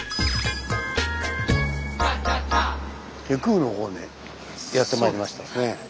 外宮の方にやってまいりましたですね。